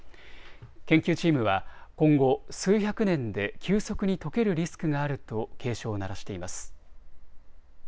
研究チームは今後、数百年で急速にとけるリスクがあると警鐘を鳴らしています。